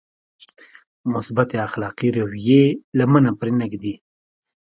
مثبتې اخلاقي رويې لمنه پرې نهږدي.